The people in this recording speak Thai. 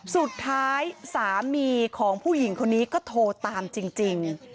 สุดท้ายสามีของผู้หญิงคนนี้ก็โทรตามจริง